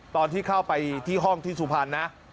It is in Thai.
ตอนที่เข้าไปที่ห้องที่สุพรรณนะ